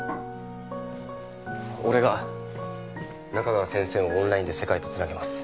俺が仲川先生をオンラインで世界と繋ぎます。